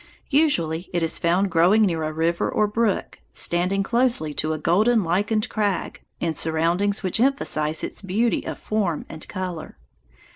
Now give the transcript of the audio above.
Usually it is found growing near a river or brook, standing closely to a golden lichened crag, in surroundings which emphasize its beauty of form and color.